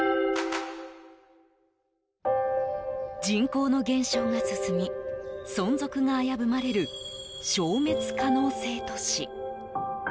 人口の減少が進み存続が危ぶまれる消滅可能性都市。